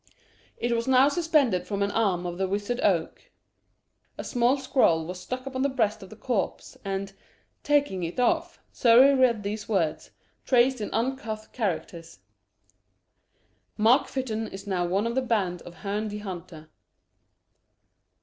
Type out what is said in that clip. It was now suspended from an arm of the wizard oak. A small scroll was stuck upon the breast of the corpse, and, taking it off, Surrey read these words, traced in uncouth characters "Mark Fytton is now one of the band of Herne the Hunter."